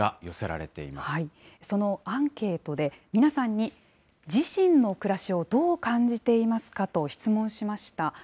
そのアンケートで、皆さんに自身の暮らしをどう感じていますかと質問しました。